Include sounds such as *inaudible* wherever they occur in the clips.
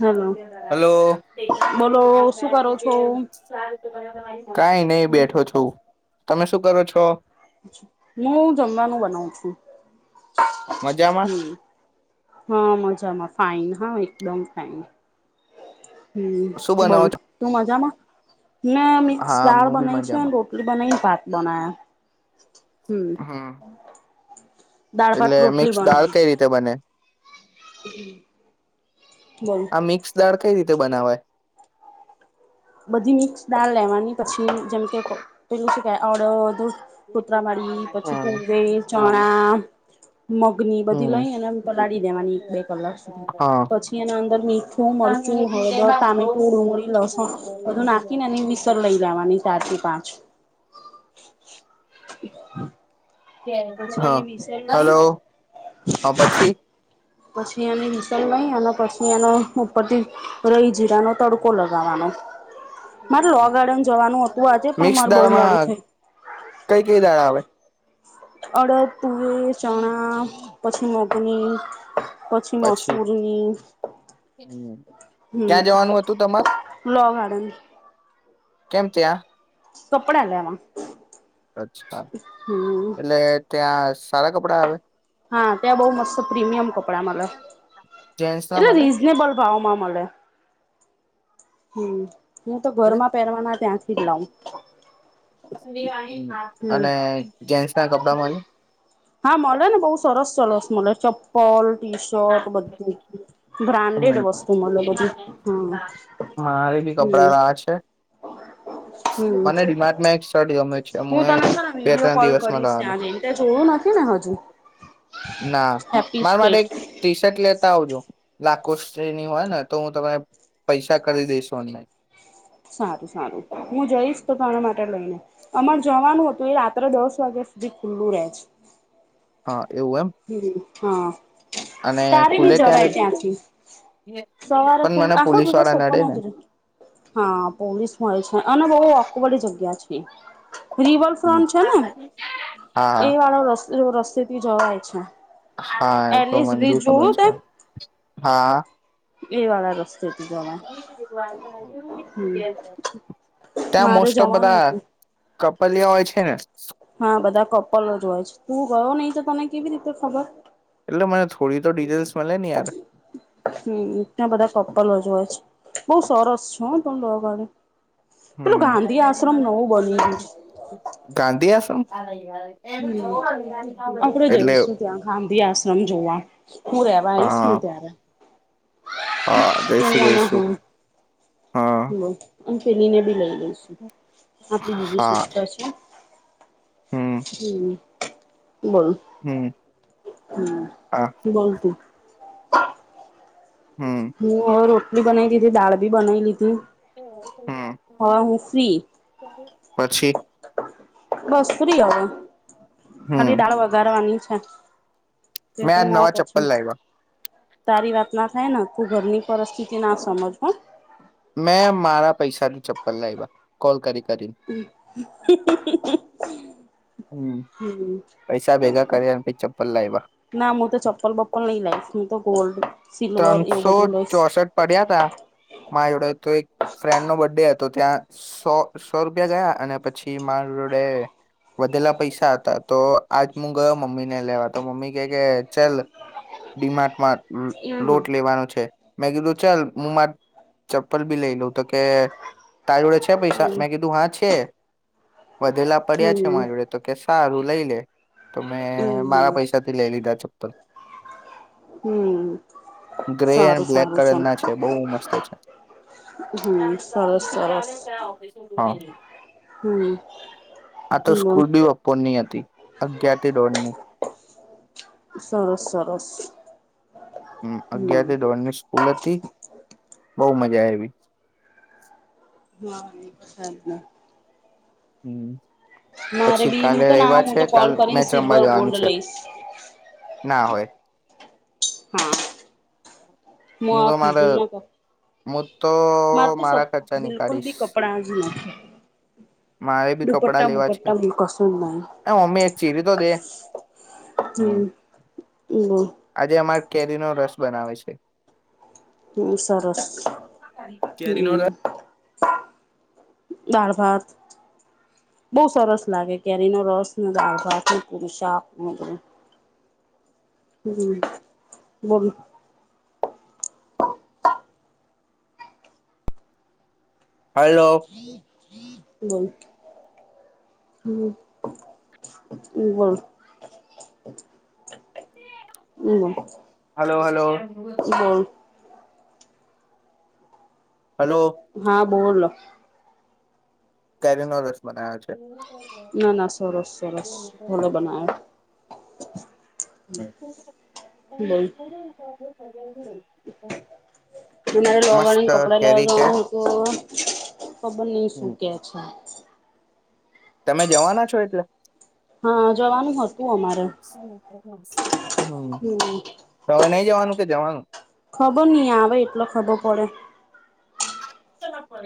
Hello એટલા ત બોલો શું ગયા કરો કે છો? *inaudible* કઈ નહી બેઠો છ તમે શું કરો છો હું જમવાનું બનાવ છું મજામાં? હમ હા મજામાં ફઇન હા એકદમ ફઇન હમ શું બોલ બનાવો છો? તું મજામાં મેં મિક્સ હા દાળ હું બી બનાવી છે મજામાં. રોટલી બનાવી ભાત *inaudible* હમ *inaudible* દાળ ભાત એટલે રોટલી મિક્સ દાળ બનાવી કઈ છે રીતે બને. આ મિક્સ દાળ *inaudible* કઈ રીતે બનાવાય. બધી મિક્સ દાળ લેવાની પછી જેમ કે પેલું શડ કૂતરા માડી પછી હમ્મ. *unintelligible* મગની બધી હમ્મ. લઈ અનેને પલાળી દેવાની એક બે કલાક સુધી હા. પછી એના અંદર મીઠું મરચું હળદર ટામેટું ડુંગળી લસણ અધું નાખીને વિસર લઈ જવાની ચાર થી પાંચ પછી હા એની વિસલ લઈ હલો હા પછી. પછી એને વિસલવાઈ અને પછી એનો ઉપરથી રહી જીરાનો તડકો લગાવવાનો. મારે લો ગાર્ડન જવાનું હતું આજે પણ મિક્સ મારે બહુ મોડું દાળમાં થઈ કઈ કઈ દાળ આવે. અડદ પુવે ચણા પછી મગની. પછી મસૂરી હમ ક્યાં જવાનું હતું તમાર? લો ગાંડન. *unintelligible* કેમ ત્યાં. કપડા લેવામાં. અચ્છા એટલે ત્યાં સારા કપડાં આવે. હા ત્યાં બહુ મસ્ત પ્રીમિયમ કપડા મલે જેન્ટસ ના એટલે મળે રીઝનેબલ ભાવમાં મલે હમ. હું તો ઘર માં પહેરવાના ત્યાં *unintelligible* અને જેન્સ ના કપડા મલે હા મલે ને બહુ સરસ સરસ મડે ચપ્પલ ટી શર્ટ બધું. બ્રાન્ડેડ હમ વસ્તુ મતલબ બધી મારે બી કપડા લાવા છે હા હમ હમ મને ડીમાર્ટમાં એક શર્ટ ગમે છે હું તને બે વિડીયો ત્રણ કોલ દિવસમાં કરીશ લાવવાનો ત્યાં જઈને ત્યા જોયું નથી ને હજુ ના હેપી મારા માટે એક સ્ટેટ ટી શર્ટ લેતા આવજો. લાખો શ્રેણી હોય ને તો હું તને પૈસા કરી દઈસુ એને સારું સારું હું જઈશ તો તારા માટે લઈને અમાર જવાનું હતું એ રાત્રે દસ વાગ્યા સુધી ખુલ્લું રહે છે. હા એવું એમ હમ હા અને તારે બી ખુલે જવાાય છે ક્યારે ત્યાંથી સવારે પણ મને આખો પોલીસ દિવસ વાળા ઓપન નડે ને હજ પોલીસ મળે છે અને બહુ અવાળી જગ્યા છે રિવલ ફ્રોન છે ને હા એ વાળો રસ્તો રસ્તે થી જવાય છે હા તો એલિસ મુ બ્રિજ ખબર જોયું તે છે હા એ વાડા રસ્તેથી જવાય હમ ત્યાં મારે મોસ્ટ ઓફ જવાનું બધા હતું કપલિયા હોય છે ને કપલ જ હોય છે તું ગયો નહી તો તને કેવી રીતે ખબર એટલે મને થોડી તો ડિટેલ્સ મળે ને યાર હમ એં બધા કપ્પલો જોય છે બહુ સરસ છ તમ લગડે હ ગયું છે ગાંધી આસમ *inaudible* હમ આપગડે એટલે જઈશું ત્યાં ગાંધી આશ્રમ જોવા હું રેવા આવીઈશ હા ને ત્યારે હા જઈશું જઈશું હા હ અંકેલી ને ભી લઈ આપણી બીજી હા શિકષઠા છે હમ હમ બોલો હમ હા હમ બોલતીું હમ ી બનાઈ લીધથી દાળી બનાઈ લીધી હમ હા હું ફ્રી પછી બસ ફ્રી આ ખાલી હમ દાળ વગારવાની છે હઠા મેં આજ નવા ચપ્પલ લાયગ તારી વાત ના થાય ને તું ઘરની પરિસ્થિતિ ના સમજ પણ મેં મારા પૈસાની ચપ્પલ લાવવા કોલ કરી કરીને હમ પૈસા ભેગા કર્યા અને પછી ચપ્પલ લાવ્યા ના હું તો ચપ્પલ બપ્પલ નઈ લાવીશ હું તો ગોલ્ડ સિલ્વર એવું ત્રણસો બધું લઈશ ચોસઠ પડ્યા હતા મારી જોડે તો એક ફ્રેન્ડ નો બર્ ડે હતો ત્યાં સો સો રૂપિયા ગયા અને પછી માર જોડે વધેલા પૈસા હતા તો આજ મુું ગયો મમ્મીને લેવા તો મમ્મી કે કે ચલ ડીમાર્ટમાં લ- *unintelligible* લોટ લેવાનો છે મે કીધું ચલ હું મારે ચપ્પલ ભી લઈ લઉં તો કે તારી જોડે છે પૈસા હમ મેં કીધું હા છે વધેલા હમ પડ્યા છે હમ મારી જોડે તો કે સારું લઈ લે તો મેં મારા હમ પૈસાથી લઈ લીધા ચપ્પલ હમ ગ્રે એન્ડ સારું બ્લેક સારું કલર ચાલ ના છે બઉ મસ્ત છે હમ સરસ સરસ હા હમ આ તો બોલ સ્કૂલ બી બપોર ની હ હતી અગ્યયારથી દોડ ની સરસ સરસ હમ અગિયાર થી દોડ ની સ્કૂલ તી બઉ મજા આયવી હા હા હમ મારે પછી બી હું કાલે તો રવિવાર ના હું છે તો કોલ કાલ કરીન મેચ રમવા સિલ્વર જવાનું ગોલ્ડ છે લઈશ ના હોય હું હા તો મારે હું તો મારા *unintelligible* ખર્ચા બિલકુલ નીકાળીશ બી કપડા જ ના મારે બી કપડાં લેવા છે બુપટ્ટા હું કશું જ નહીં એ મમ્મી એક ચીરી તો દે હમ એ બોલ આજે અમારે કેરીનો રસ બનાવે છે હમ સરસ કેરીનો હમ રસ દાળ ભાત બઉ સરસ લાગે કેરી નો રસ ને દાળ ભાત ને શાક હમ બોલ હલો બોલ હમ હમેબોલ હલો હલો *unintelligible* હલો હા બોલો કેરી નો રસ બનાયો છે ના ના સરસ સરસ ભલો બના બોલ મારે મસ્ત ડોગા કપડા લે કેરી તો છે ખબર નઈ શું કે છે તમે જવાના છો એટલે હા જવાનું હતું અમારે હમ તમે ન જવાનું કે જવાનું ખબર નહી આવે એટલો ખબર પડે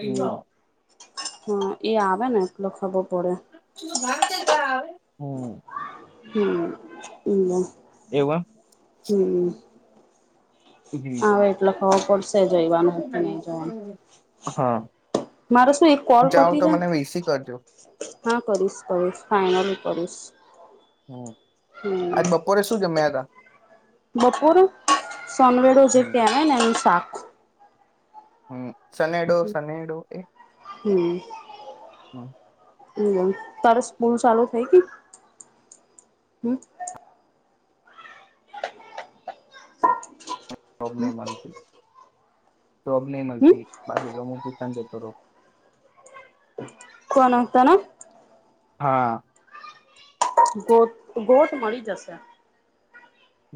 હમ હા એ આવે ને એકલો ખબર પડે શું ભ છે ત્યાં આવે હમ હમ એ એવા હમ એમ હવે એટલે ખવા પડશે જઈવાનું કે નહી જવાનું હા મારે શું એક કોલ જાઓ પતી તો છે મને વીસી કરજો હા કરીશ કરીશ ફાઈનલ કરીશ હમ હમ બપોર સનવેડો જે કહેય ને એનું શાક હમ સનેડો સનેડો એ હ હમ તારે સ્કૂલ ચાલુ થઈ કે હમ શબ નહી માનતી તો અબ ન હમ મળતી બાકી તો રડે કરો કોણતાના હા ગો ગોઠ મળી જશે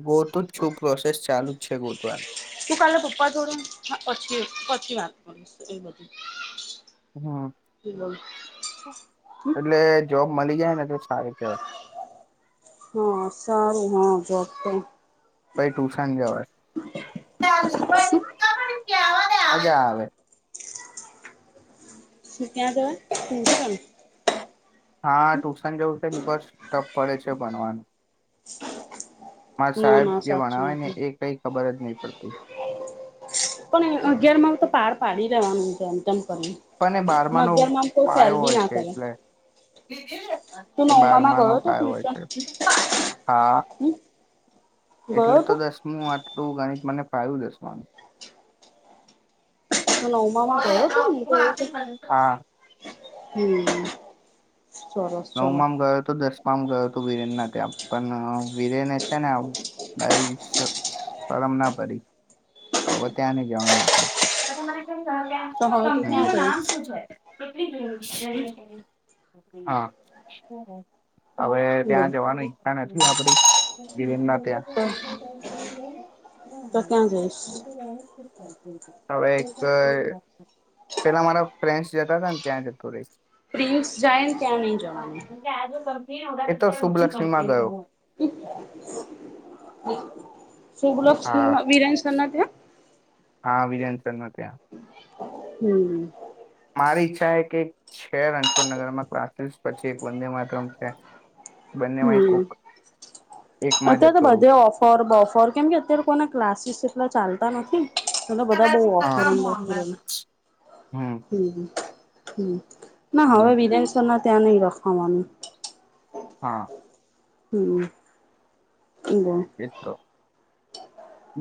ગોતું જ છું પ્રોસેસ ચાલુ જ છે ગોતવાન તું કાલે પપ્પા જોડું પછી પછી વાત કરશ એ બધું હમ એટલે જોબ મળી જાયને તો સાર કેવા હા સારું હા જોત પાઈ ટુશન જવા શું અજ્યા આવે શજ દવાજણ હા ટુશન જેવું છે ની ટપ પડે છે ભણવાનું મારે ના સાહેબ ના જે સાચી ભણવાય ને નથી એ કઈ ખબર જ ની પડતી પણ અગિારમાં તો પાર પાડી રેવાનું છે જેમ તેમ પણ એ ને બારમા નો અગીયારમાં કોઈ સેલ બી ના કરે નિખિલ તું એ નવમામાં બારમાનો ગયો હતો પાયો હોય ટ્યુશન છે હા હમ ગયો એટલે તો હતો દસમું આટલું ગણિત મને ફાયું દસમાનું નવમામાં ગયો હતો ને તેવું છે હા હમ સરસ નવમાં ચલો મા ગયો તો દસ મા ગયો તો વીરેન હાથે પણ વીરેને છે ને ડાય શરમ ના પડી તો હવે ત્યાં ની જવાનું આપડે તો હવે તું ક્યાં કંપનીનું હમ નામ જઈશ શું છે કેટલી હા હવે ત્યાં બોલ જવાની ઈચ્છા નથી આપડી વીરેનાથે *inaudible* તો હમ ક્યાં જઈશ હમ *inaudible* હવે એક પેલા મારા ફ્રેન્ડસ જતા હતા ને ત્યાં જતો રહીશ. પ્રિન્સ જાયને ત્યા નહિ જવાનું એતો શુભલક્ષ્મીમાં ગયો. શુભલક્ષ હા વીરેન સરના ત્યાં હા વિરેન સરને ત્યાં હમ મારી ઈચ્છા એ કે છે રણછોડનગરમાં ક્લાસીસ પછી એક વંદેમાત્રમ છે. બને માઇ હમ કોક એકમાં અત્યારે તો જતો રહું બધે ઓફર બફર કેમ કે અત્યારે કોના ક્લાસીસ એટલા ચાલ તા નથી પેલા બધા બહ ઓફર એમ ઓફર એમ હમ હમ ના હવે હમ વિરેન સરના ત્યાંની રાખવાની હા હમ બોલ એ તો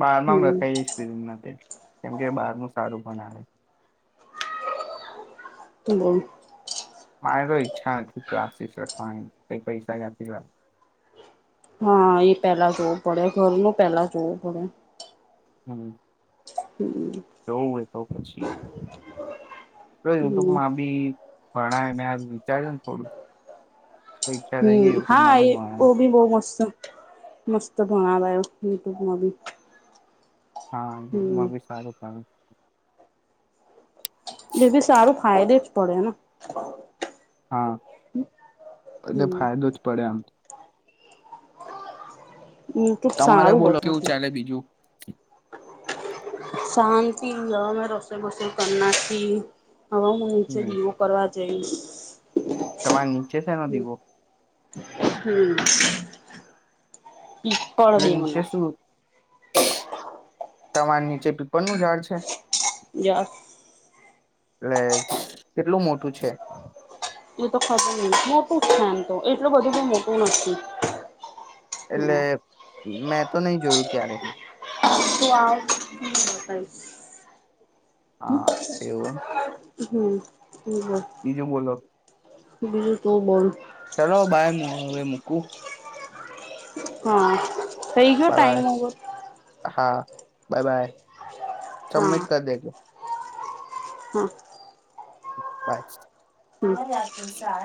બહાર મ રખાઈ હમ જઈશ રૂમ ના. કેમ કે બહાર ન સારું પણ આવે. *inaudible* મારે તો ઈચ્છા નથી તલાસીસખવાની કઈ પૈસા જ લ હા એ પેલા જોવું પડે ઘરનું પેલા જોવું પડે. *inaudible* જોવું હોય *inaudible* તો પછી. જો યુટ્યુબ માં બી ભણ મેં આ વિચારજ ને થોડું તો ઈચ્છા થઈ હમ કે હા યુટ્યુબમાં બી એ ભણાય ઓ ભી બહુ મસ્ત મસ્ત બના લ એ યુટ્યુબમાં ભી. હા દૂધમાં બી સારું ક એ બી સારું ફાયદે જ પડેને. હા એટલે હમ ફાયદો જ પડે આમ. યુટ્યુબ તમારે સારું બોલો બતાવતું કેવું ચાલે બીજું. શાંત ગા રસો ભસો કરનાથી હવા મ છે હમ કરવારવા *inaudible* તમારે નીચે છેનો દીવો *inaudible* કરો દ મને તમાર નીચે પીપરનુંું ઝાડ છે. જાાર. એટલે કેટલું મોટું છે. એ તો ખબર મોટું જ છે એમ તો એટલું બધું ક મોટું નથી. એટલે હમ મેં તો નહી જોયું ક્યારે. *inaudible* હા *inaudible* એવું એમ *inaudible* બીજું બોલો. બીલ તો બોલ. ચલો બાય હું હવે મૂકું. હા. થઈ ગયો ટાઈમ હોવ બાય બાય સબમિટ કર દેગ *inaudible* *unintelligible* હમ હાર જાત સાર